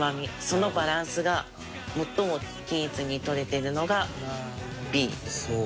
そのバランスが最も均一に取れてるのがＢです。